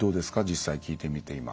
実際聞いてみて今。